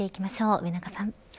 上中さん。